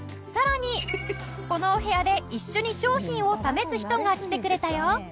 さらにこのお部屋で一緒に商品を試す人が来てくれたよ。